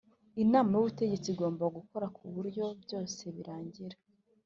Inama y’ubutegetsi igomba gukora ku buryo byose birangira